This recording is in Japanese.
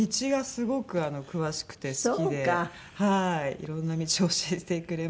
いろんな道を教えてくれましたね。